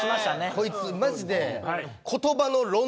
こいつマジで。